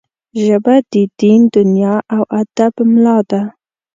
ژبه د دین، دنیا او ادب ملا ده